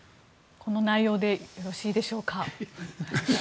この内容でよろしいでしょうか。